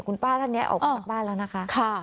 คุณป้าท่านนี้ออกมาจากบ้านแล้วนะคะ